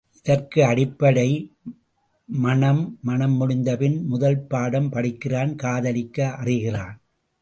இதற்கு அடிப்படை மணம் மணம் முடிந்தபின் முதல் பாடம் படிக்கிறான் காதலிக்க அறிகிறான்.